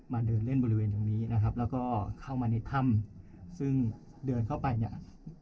เดินเล่นบริเวณตรงนี้นะครับแล้วก็เข้ามาในถ้ำซึ่งเดินเข้าไปเนี่ย